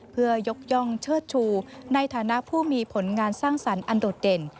เพื่อยกย่องเชิดชูในฐานะผู้มีผลงานสร้างสรรค์อันโดดเด่น